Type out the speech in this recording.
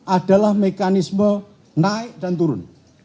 adalah mekanisme naik dan turun